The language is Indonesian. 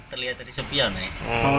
iya terlihat tadi sopian ya